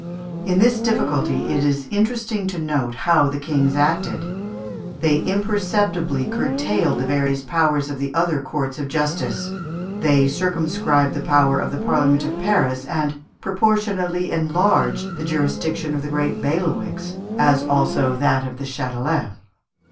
In this difficulty it is interesting to note how the kings acted. They imperceptibly curtailed the various powers of the other courts of justice, they circumscribed the power of the Parliament of Paris, and proportionately enlarged the jurisdiction of the great bailiwicks, as also that of the Châtelet.